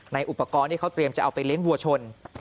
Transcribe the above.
อุปกรณ์ที่เขาเตรียมจะเอาไปเลี้ยงวัวชน